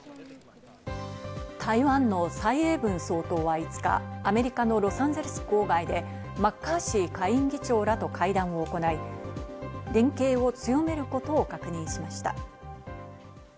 台湾のサイ・エイブン総統は５日、アメリカのロサンゼルス郊外でマッカーシー下院議長らと会談を行い、連携を強めることを確認しました。